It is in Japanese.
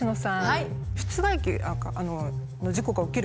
はい！